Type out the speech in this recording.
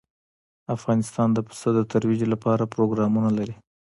افغانستان د پسه د ترویج لپاره پروګرامونه لري.